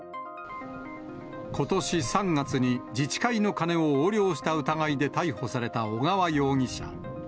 ことし３月に自治会の金を横領した疑いで逮捕された小川容疑者。